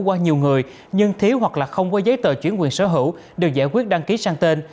qua nhiều người nhưng thiếu hoặc là không có giấy tờ chuyển quyền sở hữu được giải quyết đăng ký sang tên